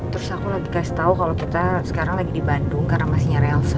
terus aku lagi kasih tau kalau kita sekarang lagi di bandung karena masihnya relse